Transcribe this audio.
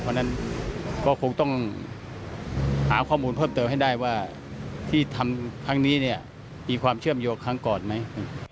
เพราะฉะนั้นก็คงต้องหาข้อมูลเพิ่มเติมให้ได้ว่าที่ทำครั้งนี้เนี่ยมีความเชื่อมโยงครั้งก่อนไหม